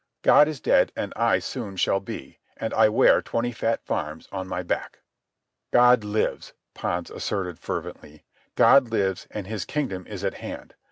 God is dead, and I soon shall be, and I wear twenty fat farms on my back." "God lives," Pons asserted fervently. "God lives, and his kingdom is at hand.